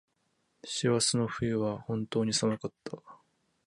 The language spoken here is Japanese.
網走の冬は本当に寒かった。